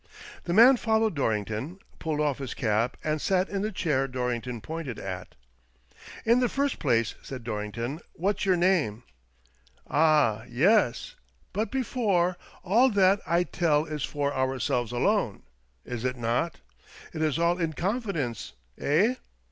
The man followed Dorrington, pulled off his cap, and sat in the chair Dorrington pointed at. "In the first place," said Dorrington, "what's your name ?" "Ah, yas — but before — all that I tell is for our selves alone, is it not? It is all in confidence, eh?"